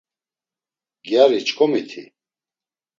Gyari ç̌ǩomiti?